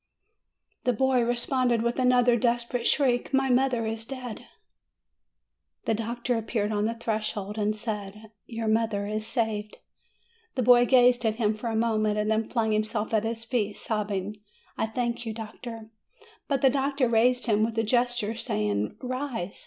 The boy responded with another desperate shriek, "My mother is dead!" The doctor appeared on the threshold and said, "Your mother is saved." The boy gazed at him for a moment, and then flung himself at his feet, sobbing, "I thank you, doctor!" But the doctor raised him with a gesture, saying: "Rise!